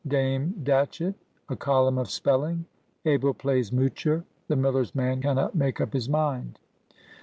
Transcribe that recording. —DAME DATCHETT.—A COLUMN OF SPELLING.—ABEL PLAYS MOOCHER.—THE MILLER'S MAN CANNOT MAKE UP HIS MIND.